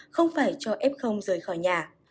không phải cho f rời khỏi nhà